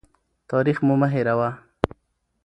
تاریخ مو مه هېروه.